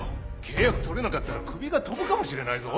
契約取れなかったら首が飛ぶかもしれないぞ